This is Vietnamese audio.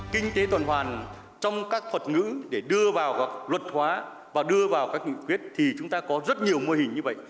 kinh tế tuần hoàn trong các thuật ngữ để đưa vào luật hóa và đưa vào các nghị quyết thì chúng ta có rất nhiều mô hình như vậy